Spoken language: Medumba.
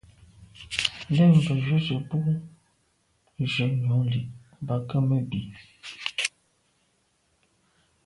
Ndə̂mbə́ jú zə̄ bū jʉ̂ nyɔ̌ŋ lí’ bɑ̌k gə̀ mə́ bí.